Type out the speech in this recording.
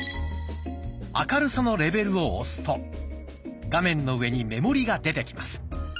「明るさのレベル」を押すと画面の上に目盛りが出てきます。